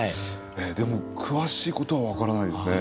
でも詳しいことは分からないですね。